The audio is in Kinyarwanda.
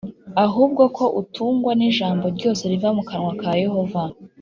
ahubwo ko atungwa n’ijambo ryose riva mu kanwa ka Yehova.